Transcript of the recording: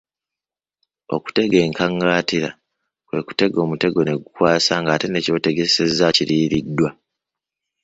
Okutega enkaŋantira kwe kutega omutego ne gutakwasa ng'ate ne ky'otegesezza kiriiriddwa.